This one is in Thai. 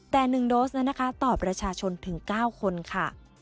แต่๑โดสนั้นนะคะต่อประชาชนถึง๙คนค่ะ